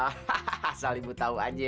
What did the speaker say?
hahaha asal ibu tahu aja